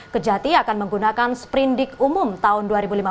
kejati akan menggunakan sprindik umum tahun dua ribu lima belas